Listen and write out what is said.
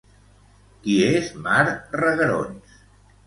Qui és Mar Reguerons?